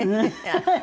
ハハハハ！